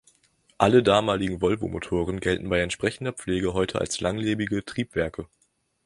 Alle damaligen Volvo-Motoren gelten bei entsprechender Pflege heute als langlebige Triebwerke.